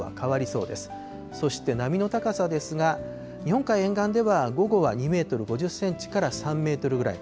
そして波の高さですが、日本海沿岸では午後は２メートル５０センチから３メートルぐらい。